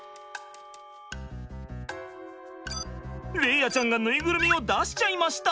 伶哉ちゃんがぬいぐるみを出しちゃいました。